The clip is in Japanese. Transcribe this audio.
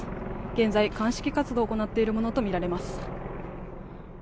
現在、鑑識活動を行っているものとみられます。